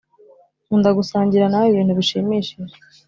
nkunda gusangira nawe ibintu bishimishije